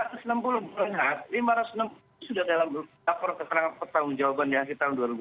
rp lima ratus enam puluh sudah dalam laporan ketanggung jawaban di akhir tahun dua ribu dua puluh